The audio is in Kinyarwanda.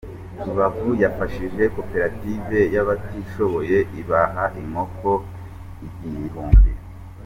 Rubavu yafashishije koperative y’abatishoboye ibaha inkoko igihumbi